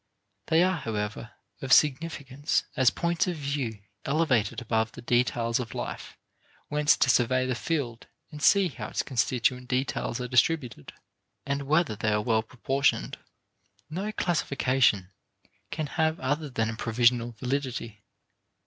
They are, however, of significance as points of view elevated above the details of life whence to survey the field and see how its constituent details are distributed, and whether they are well proportioned. No classification can have other than a provisional validity.